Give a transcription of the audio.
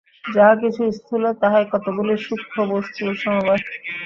যাহা কিছু স্থূল, তাহাই কতকগুলি সূক্ষ্ম বস্তুর সমবায়।